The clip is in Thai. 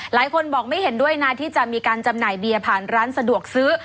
หลายคนบอกไม่เห็นด้วยนะที่จะมีการจำหน่ายเบียร์ผ่านร้านสะดวกซื้อ